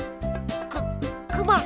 くくま！